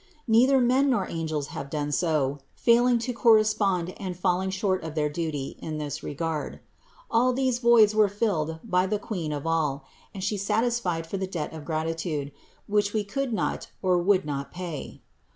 Neither men nor angels have done so, failing to correspond and falling short of their duty in this regard. All these voids THE INCARNATION 63 were filled by the Queen of all, and She satisfied for the debt of gratitude, which we could not or would not pay.